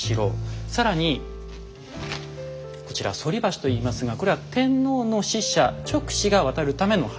更にこちら「反橋」と言いますがこれは天皇の使者勅使が渡るための橋。